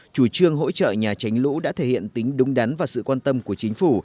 chủ trương hỗ trợ nhà tránh lũ đã thể hiện tính đúng đắn và sự quan tâm của chính phủ